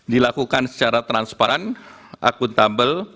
dilakukan secara transparan akuntabel